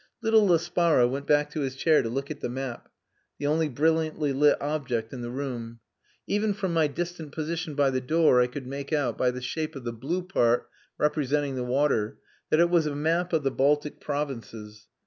Little Laspara went back to his chair to look at the map, the only brilliantly lit object in the room. Even from my distant position by the door I could make out, by the shape of the blue part representing the water, that it was a map of the Baltic provinces.